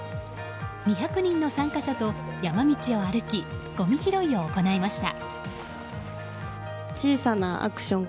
２００人の参加者と山道を歩きごみ拾いを行いました。